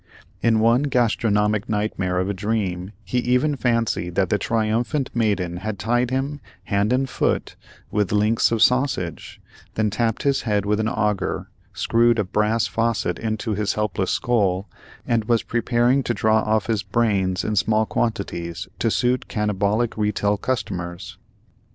In one gastronomic nightmare of a dream he even fancied that the triumphant maiden had tied him, hand and foot, with links of sausages, then tapped his head with an auger, screwed a brass faucet into his helpless skull, and was preparing to draw off his brains in small quantities to suit cannibalic retail customers.